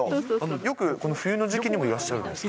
よくこの冬の時期にもいらっしゃるんですか？